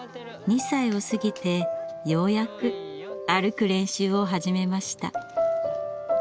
２歳を過ぎてようやく歩く練習を始めました。